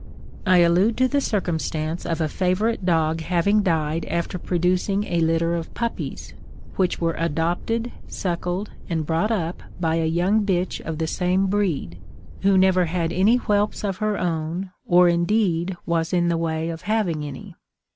I allude to the circumstance of a favourite dog having died after producing a litter of puppies, which were adopted, suckled, and brought up by a young bitch of the same breed, who never had any whelps of her own, or indeed was in the way of having any.